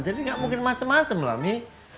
jadi nggak mungkin macem macem lah mi